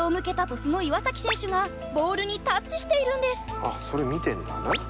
あそれ見てんだね。